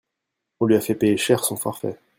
On lui a fait payer cher son forfait.